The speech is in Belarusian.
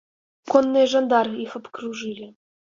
Конныя жандары іх абкружылі.